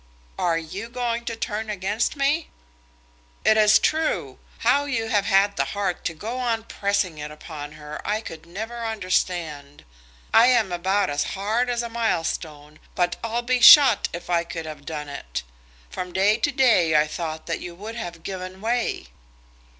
"Are you going to turn against me?" "It is true. How you have had the heart to go on pressing it upon her, I could never understand. I am about as hard as a milestone, but I'll be shot if I could have done it. From day to day I thought that you would have given way."